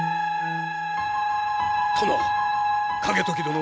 殿！